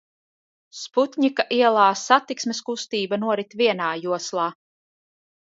Sputņika ielā satiksmes kustība norit vienā joslā.